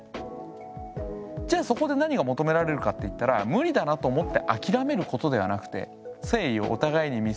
じゃあそこで何が求められるかっていったら無理だなと思って諦めることではなくて誠意をお互いに見せ合う。